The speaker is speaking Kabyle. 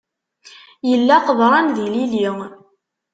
Yella qeḍran d yilili.